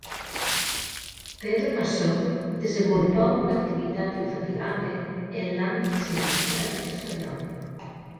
Pedro Masó desenvolupà una activitat infatigable en l'àmbit cinematogràfic espanyol.